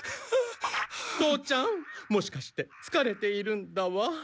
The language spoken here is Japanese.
父ちゃんもしかしてつかれているんだわ。